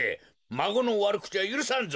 まごのわるくちはゆるさんぞ。